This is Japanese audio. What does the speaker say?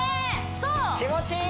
そう気持ちいい！